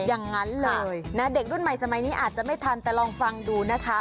อย่างนั้นเลยนะเด็กรุ่นใหม่สมัยนี้อาจจะไม่ทันแต่ลองฟังดูนะคะ